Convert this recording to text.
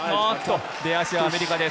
出足はアメリカです。